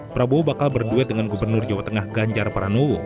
prabowo bakal berduet dengan gubernur jawa tengah ganjar pranowo